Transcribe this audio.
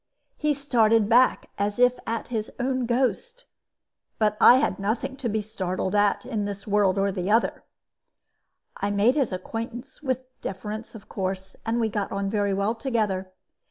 He started back as if at his own ghost; but I had nothing to be startled at, in this world or the other. "I made his acquaintance, with deference, of course, and we got on very well together.